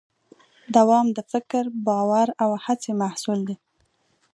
دوام د فکر، باور او هڅې محصول دی.